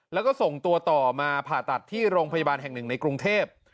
แล้วก็ส่งตัวต่อมาผ่าตัดที่โรงพยาบาลแห่งหนึ่งในกรุงเทพ